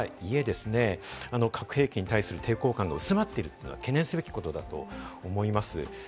そんな中で、ネット上の悪ふざけとはいえですね、核兵器に対する抵抗感が薄まっているというのは懸念すべきことだと思います。